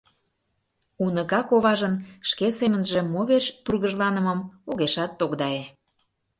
Уныка коважын шке семынже мо верч тургыжланымым огешат тогдае.